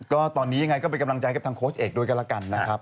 ก็ตอนนี้ยังไงก็ไปกำลังใจกับทางโคชอิงโดยกันละกันนะครับ